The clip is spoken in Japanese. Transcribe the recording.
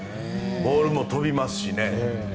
ボールも飛びますしね。